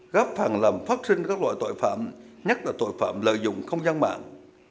góp phần làm phát sinh các loại tội phạm nhất là tội phạm lợi dụng không gian mạng